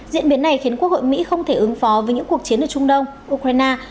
diễn biến này khiến quốc hội mỹ không thể ứng phó với những cuộc chiến ở trung đông ukraine